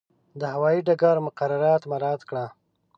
د هوایي ډګر مقررات مراعات کړه.